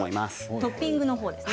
トッピングのほうですね。